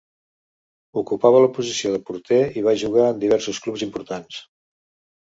Ocupava la posició de porter i va jugar en diversos clubs importants.